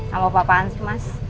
gak apa apaan sih mas